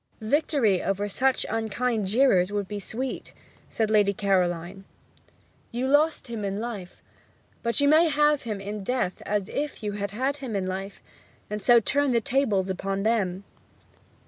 "' 'Victory over such unkind jeerers would be sweet,' said Lady Caroline. 'You lost him in life; but you may have him in death as if you had had him in life; and so turn the tables upon them.'